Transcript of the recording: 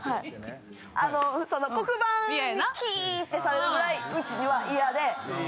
あのその黒板にキーってされるぐらいうちには嫌で。